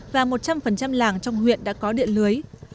và một trăm linh làng trong huyện đã có điện lưới